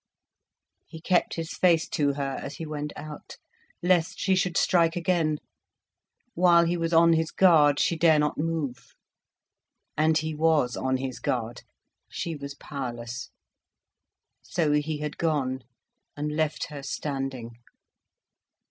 He kept his face to her as he went out, lest she should strike again. While he was on his guard, she dared not move. And he was on his guard, she was powerless. So he had gone, and left her standing.